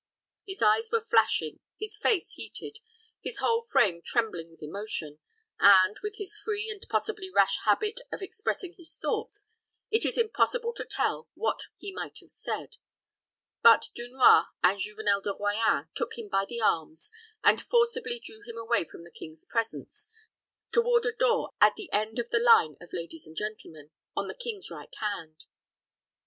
His eyes were flashing, his face heated, his whole frame trembling with emotion; and, with his free and possibly rash habit of expressing his thoughts, it is impossible to tell what he might have said; but Dunois and Juvenel de Royans took him by the arms, and forcibly drew him away from the king's presence toward a door at the end of the line of ladies and gentlemen, on the king's right hand.